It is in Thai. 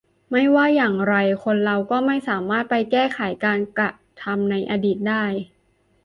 ไม่ว่าอย่างไรคนเราก็ไม่สามารถไปแก้ไขการกระทำในอดีตได้